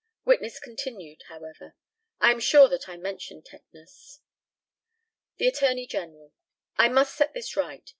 Witness continued, however, "I am sure that I mentioned tetanus." The ATTORNEY GENERAL: I must set this right.